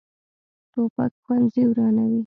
توپک ښوونځي ورانوي.